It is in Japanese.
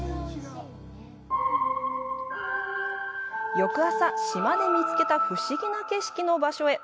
翌朝、島で見つけた不思議な景色の場所へ。